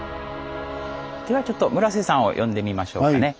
ではちょっと村瀬さんを呼んでみましょうかね。